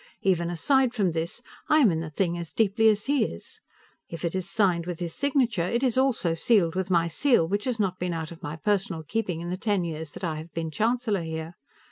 Even aside from this, I am in the thing as deeply as he; if it is signed with his signature, it is also sealed with my seal, which has not been out of my personal keeping in the ten years that I have been Chancellor here.